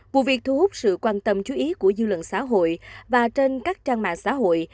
vụ việc thu hút sự quan tâm chú ý của dư luận xã hội và trên các trang mạng xã hội